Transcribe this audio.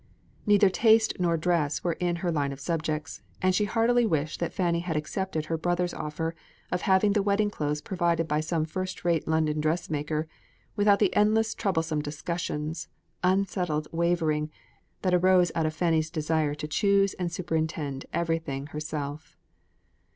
Neither taste nor dress were in her line of subjects, and she heartily wished that Fanny had accepted her brother's offer of having the wedding clothes provided by some first rate London dressmaker, without the endless troublesome discussions, and unsettled waverings, that arose out of Fanny's desire to choose and superintend everything herself.